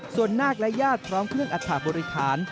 ส่วนนาคและญาติพร้อมเครื่องอัฐาบริหาร